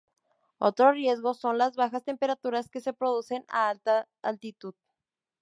Otro riesgo son las bajas temperaturas que se producen a alta altitud.